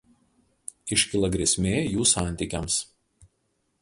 Iškyla grėsmė jų santykiams.